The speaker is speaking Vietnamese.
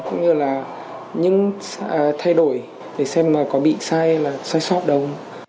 cũng như là những thay đổi để xem có bị sai hay sai sót đâu